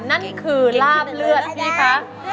นั่นคือลาบเลือดพี่คะ